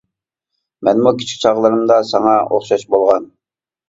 مەنمۇ كىچىك چاغلىرىمدا ساڭا ئوخشاش بولغان.